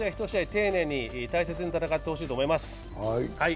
丁寧に大切に戦ってほしいと思います。